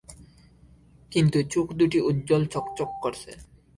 কিন্তু চোখ দুটি উজ্জ্বল চকচক করছে।